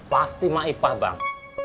pasti maipah bang